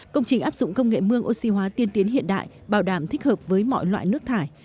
công trình áp dụng công nghệ mương oxy hóa tiên tiến hiện đại bảo đảm thích hợp với mọi loại nước thải